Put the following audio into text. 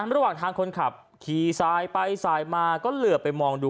ระหว่างทางคนขับขี่สายไปสายมาก็เหลือไปมองดู